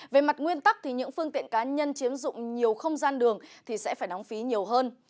về mặt nguyên tắc thì những phương tiện cá nhân chiếm dụng nhiều không gian đường thì sẽ phải đóng phí nhiều hơn